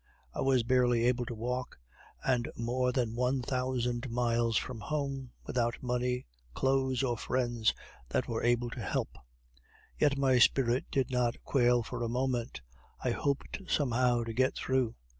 I was barely able to walk, and more than one thousand miles from home, without money, clothes, or friends that were able to help; yet my spirit did not quail for a moment, I hoped somehow to get through.